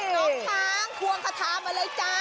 น้องช้างควงคาทามาเลยจ้า